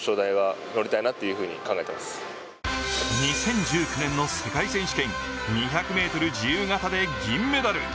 ２０１９年の世界選手権、２００ｍ自由形で金メダル。